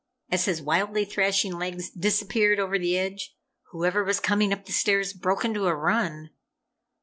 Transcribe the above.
As his wildly thrashing legs disappeared over the edge, whoever was coming up the stairs, broke into a run.